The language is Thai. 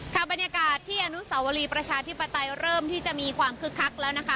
บรรยากาศที่อนุสาวรีประชาธิปไตยเริ่มที่จะมีความคึกคักแล้วนะคะ